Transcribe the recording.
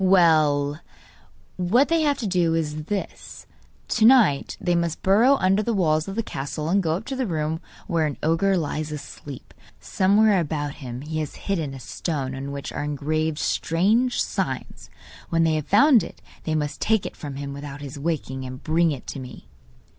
'Well, what they have to do is this: To night they must burrow under the walls of the castle and go up to the room were an ogre lies asleep. Somewhere about him he has hidden a stone, on which are engraved strange signs. When they have found it they must take it from him without his waking, and bring it to me.